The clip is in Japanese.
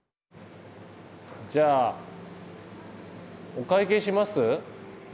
じゃあお会計します？